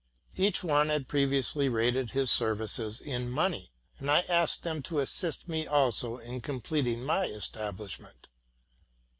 Each one had previously rated his services in money, and I asked them to assist me also in completing my establishment.